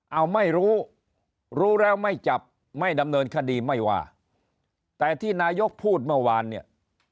เอาไม่รู้รู้รู้แล้วไม่จับไม่ดำเนินคดีไม่ว่าแต่ที่นายกพูดเมื่อวานเนี่ย